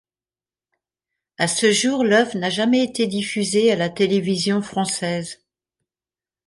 À ce jour, l'œuvre n'a jamais été diffusée à la télévision française.